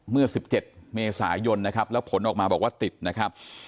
เมื่อ๑๗เมษายนนะครับแล้วผลออกมาบอกว่าติดนะครับ